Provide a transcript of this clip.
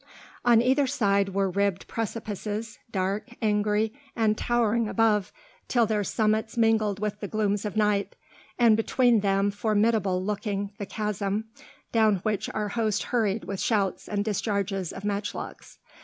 On either side were ribbed precipices, dark, angry, and towering above, till their summits mingled with the glooms of night; and between them formidable looked the chasm, down which our host hurried with shouts and discharges of matchlocks.